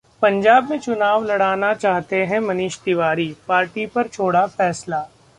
पंजाब में चुनाव लड़ना चाहते हैं मनीष तिवारी, पार्टी पर छोड़ा फैसला